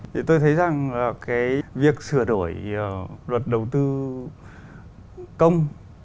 thì tôi thấy rằng cái việc sửa đổi luật đầu tư công